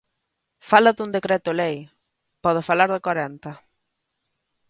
Fala dun decreto lei, pode falar de corenta.